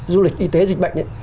du lịch y tế dịch bệnh